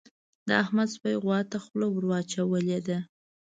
د احمد سپي غوا ته خوله ور اچولې ده.